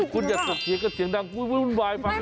คุณอย่าสับสีกับเสียงดังวุ่นวายฟัง